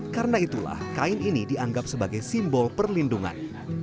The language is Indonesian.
karena itulah kain ini dianggap sebagai simbol perlindungan